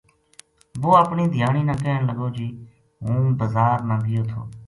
وہ اپنی دھیانی نا کہن لگو جی ہوں بزار نا گیو تھو